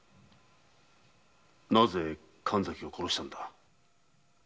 なぜ神崎を殺したんだ？